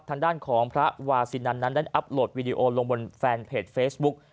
ทางด้านของพระวาซินันนั้นได้อัพโหลดวีดีโอลงบนแฟนเพจเฟซบุ๊ก